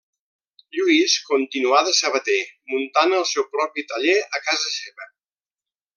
Lluís continuà de sabater, muntant el seu propi taller a casa seva.